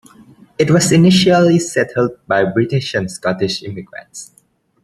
It was initially settled by British and Scottish immigrants.